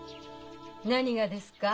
何がですか？